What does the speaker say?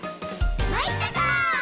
まいったか」